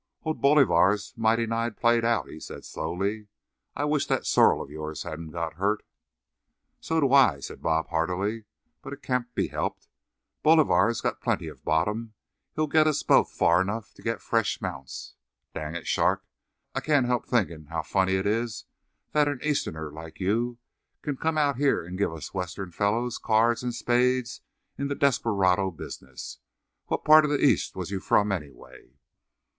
"Old Bolivar's mighty nigh played out," he said, slowly. "I wish that sorrel of yours hadn't got hurt." "So do I," said Bob, heartily, "but it can't be helped. Bolivar's got plenty of bottom—he'll get us both far enough to get fresh mounts. Dang it, Shark, I can't help thinkin' how funny it is that an Easterner like you can come out here and give us Western fellows cards and spades in the desperado business. What part of the East was you from, anyway?"